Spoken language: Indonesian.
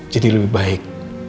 jadi lebih baik